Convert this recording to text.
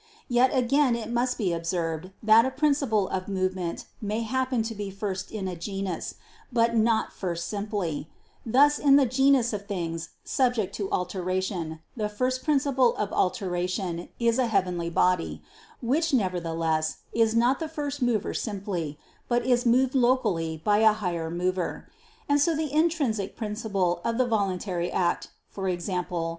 Yet again it must be observed that a principle of movement may happen to be first in a genus, but not first simply: thus in the genus of things subject to alteration, the first principle of alteration is a heavenly body, which nevertheless is not the first mover simply, but is moved locally by a higher mover. And so the intrinsic principle of the voluntary act, i.e.